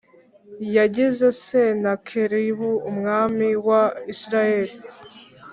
yagize Senakeribu umwami wa isiraheli